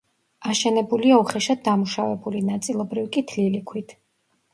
აშენებულია უხეშად დამუშავებული, ნაწილობრივ კი თლილი ქვით.